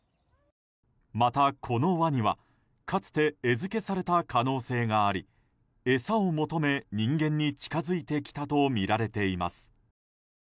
また、このワニはかつて餌付けされた可能性があり餌を求め人間に近づいてきたとみられています。